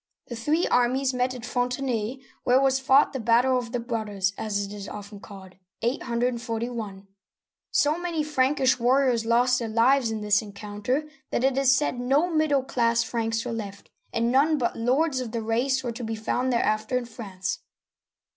The three armies met at Fontenay (f6Nt ne'), where was fought the " Battle of the Brothers," as it is often called (841). So many Frankish warriors lost their lives in this encounter that it is said no middle class Franks were left, and none but lords of that race were to be found thereafter in France.